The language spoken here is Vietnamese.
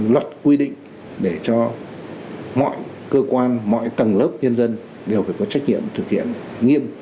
luật quy định để cho mọi cơ quan mọi tầng lớp nhân dân đều phải có trách nhiệm thực hiện nghiêm